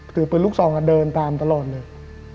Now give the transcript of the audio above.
ถือปืนลูกซองเดินตามตลอดเลย